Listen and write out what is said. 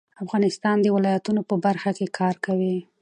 افغانستان د ولایتونو په برخه کې کار کوي.